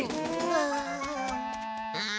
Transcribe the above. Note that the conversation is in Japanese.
ああ。